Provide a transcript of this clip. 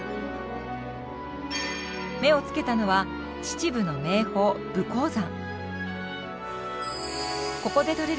目をつけたのは秩父の名峰武甲山。